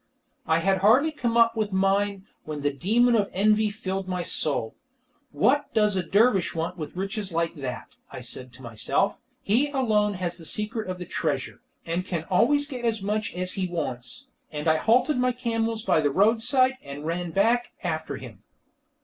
I had hardly come up with mine when the demon of envy filled my soul. "What does a dervish want with riches like that?" I said to myself. "He alone has the secret of the treasure, and can always get as much as he wants," and I halted my camels by the roadside, and ran back after him.